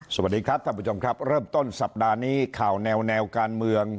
สวัสดีครับท่านผู้ชมครับเริ่มต้นสัปดาห์นี้ข่าวแนวการเมือง